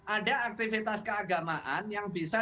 ada aktivitas keagamaan yang bisa